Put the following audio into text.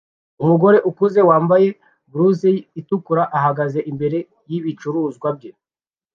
Umugore ukuze wambaye blusi itukura ahagaze imbere yibicuruzwa bye